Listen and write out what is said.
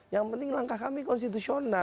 yang penting langkah kami konstitusional